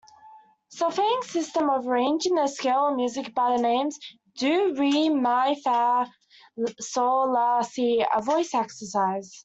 Solfaing system of arranging the scale of music by the names do, re, mi, fa, sol, la, si a voice exercise.